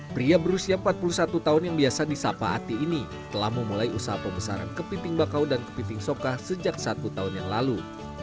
pria berusia empat puluh satu tahun yang biasa di sapa ati ini telah memulai usaha pembesaran kepiting bakau dan kepiting soka sejak satu tahun yang lalu